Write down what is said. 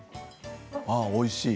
ああ、おいしい。